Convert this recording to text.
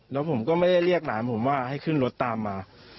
แล้วผมก็ไม่ได้เรียกหลานผมว่าให้ขึ้นรถตามมา